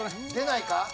出ないか？